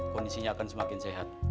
kondisinya akan semakin sehat